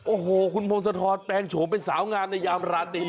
โอ้โหคุณโพงสัทธาตุแปลงโฉมเป็นสาวงานในยามราชนิยม